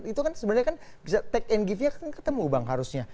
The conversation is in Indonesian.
itu kan sebenarnya kan bisa take and give nya kan ketemu bang harusnya